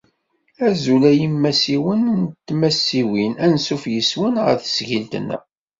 Azul ay imasiwen d tmasiwin! Ansuf yes-swen ɣer tesgilt-nneɣ!